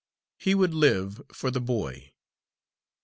He would live for the boy.